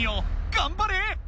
がんばれ！